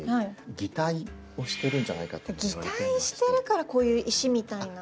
擬態してるからこういう石みたいな。